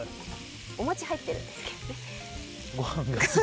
おもち入ってるんですけどね。